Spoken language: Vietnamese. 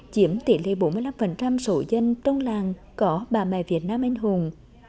chiếm tỷ lệ bốn mươi năm sổ dân trong làng có bà mẹ việt nam anh hùng